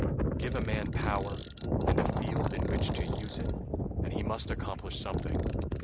Give a man power, and a field in which to use it, and he must accomplish something.